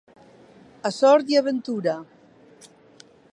A sort i a ventura.